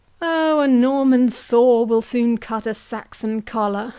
"Oh, a Norman saw will soon cut a Saxon collar."